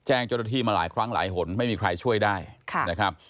แจ้งโจรที่มาหลายครั้งหลายหล่นไม่มีใครช่วยได้ค่ะ